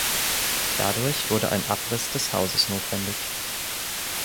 Dadurch wurde ein Abriss des Hauses notwendig.